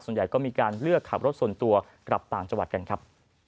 ส่วนใหญ่ก็มีการเลือกขับรถส่วนตัวกลับต่างจังหวัดกันครับ